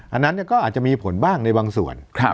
อันนั้นเนี่ยก็อาจจะมีผลบ้างในบางส่วนครับ